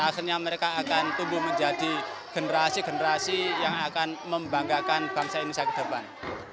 akhirnya mereka akan tumbuh menjadi generasi generasi yang akan membanggakan bangsa indonesia ke depan